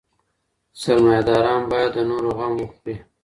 سرمایه داران باید د نورو غم وخوري.